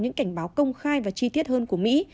những cảnh báo công khai và chi tiết hơn của mỹ